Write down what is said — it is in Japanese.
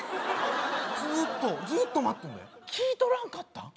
ずーっとずーっと待っとんで聞いとらんかったん？